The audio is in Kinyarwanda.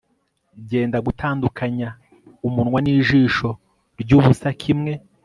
Genda gutandukanya umunwa nijisho ryubusa kimwe